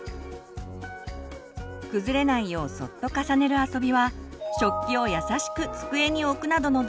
崩れないようそっと重ねる遊びは食器をやさしく机に置くなどの動作につながります。